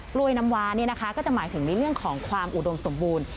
ลวยน้ำวาก็จะหมายถึงในเรื่องของความอุดมสมบูรณ์